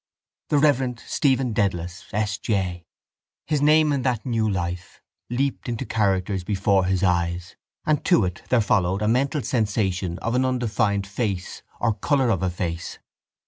The Reverend Stephen Dedalus, S. J. His name in that new life leaped into characters before his eyes and to it there followed a mental sensation of an undefined face or colour of a face.